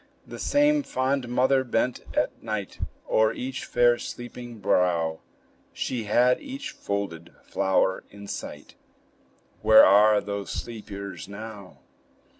The same fond mother bent at night O'er each fair, sleeping brow; She had each folded flower in sight: Where are those sleepers now?